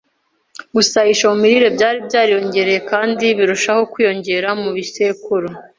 Gusayisha mu mirire byari byariyongereye kandi birushaho kwiyongera mu bisekuru